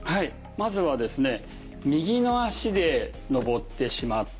まずはですね右の足で上ってしまって。